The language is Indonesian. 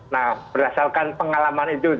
nah berdasarkan pengalaman itu